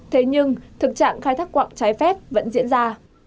thế nhưng thực trạng khai thác quạng trái phép vẫn diễn ra